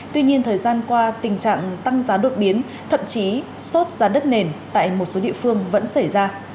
tuy nhiên thời gian qua tình trạng tăng giá đột biến thậm chí sốt giá đất nền tại một số địa phương vẫn xảy ra